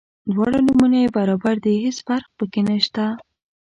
دواړه نومونه یې برابر دي هیڅ فرق په کې نشته.